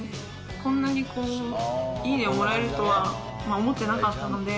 こんなにいいねをもらえるとは思ってなかったので。